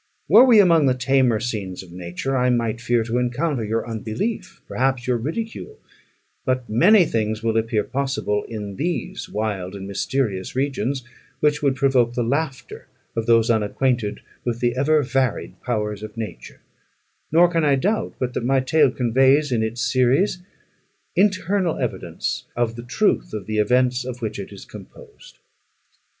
Were we among the tamer scenes of nature, I might fear to encounter your unbelief, perhaps your ridicule; but many things will appear possible in these wild and mysterious regions, which would provoke the laughter of those unacquainted with the ever varied powers of nature: nor can I doubt but that my tale conveys in its series internal evidence of the truth of the events of which it is composed."